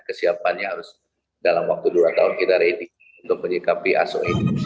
kesiapannya harus dalam waktu dua tahun kita siap untuk menyikapi asuransi